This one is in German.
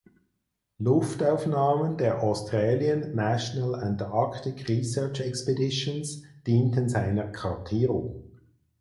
Luftaufnahmen der Australian National Antarctic Research Expeditions dienten seiner Kartierung.